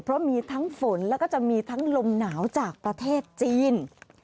เพราะมีทั้งฝนแล้วก็จะมีทั้งลมหนาวจากประเทศจีน